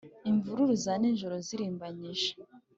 imvururu za nijoro zirimbanyije,